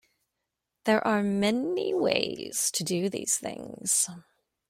There are many ways to do these things.